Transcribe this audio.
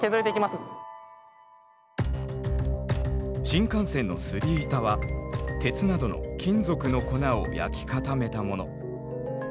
新幹線のすり板は鉄などの金属の粉を焼き固めたもの。